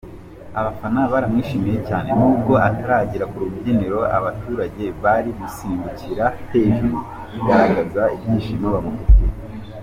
Abafana baramwishimiye cyane, nubwo ataragera ku rubyiniro abaturage bari gusimbukira hejuru bagaragaza ibyishimo bamufitiye.